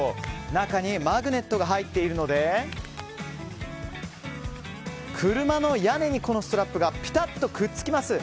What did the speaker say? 中にマグネットが入っているので車の屋根に、このストラップがピタッとくっつきます。